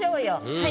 はい。